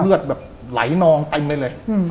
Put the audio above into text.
เลือดแบบไหลนองเต็มไปเลย